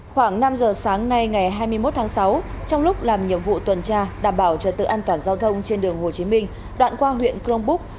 khoảng năm giờ sáng nay ngày hai mươi một tháng sáu trong lúc làm nhiệm vụ tuần tra đảm bảo trật tự an toàn giao thông trên đường hồ chí minh đoạn qua huyện crong búc